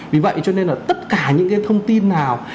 vì vậy cho nên là tất cả những cái thông tin nào